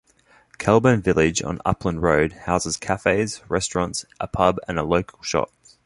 Kelburn Village, on Upland Road, houses cafes, restaurants, a pub and local shops.